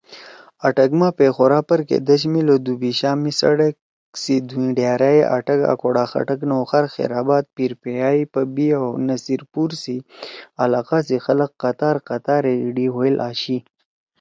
آٹک ما پیخورا پرکے دش میِل او دُوبیِشا می سڑک سی دُھوئں ڈھأرے اٹک، اکوڑہ خٹک، نوخار، خیرآباد، پیرپیائی، پبی او نصیر پور سی علاقہ سی خلگ قطار قطار ئے ایِڑی ہوئیل آشی